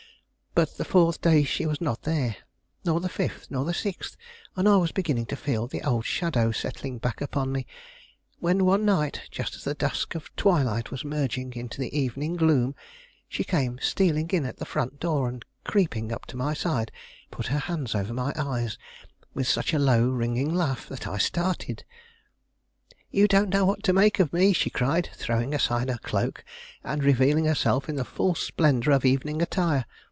But the fourth day she was not there, nor the fifth, nor the sixth, and I was beginning to feel the old shadow settling back upon me, when one night, just as the dusk of twilight was merging into evening gloom, she came stealing in at the front door, and, creeping up to my side, put her hands over my eyes with such a low, ringing laugh, that I started. "You don't know what to make of me!" she cried, throwing aside her cloak, and revealing herself in the full splendor of evening attire.